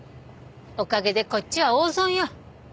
おかげでこっちは大損よ。